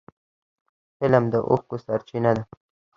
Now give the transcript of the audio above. فلم د اوښکو سرچینه ده